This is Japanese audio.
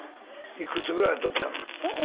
いくつぐらいの時やの？